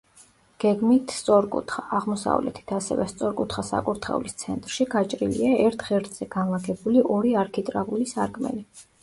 გეგმით სწორკუთხა, აღმოსავლეთით ასევე სწორკუთხა საკურთხევლის ცენტრში გაჭრილია ერთ ღერძზე განლაგებული ორი არქიტრავული სარკმელი.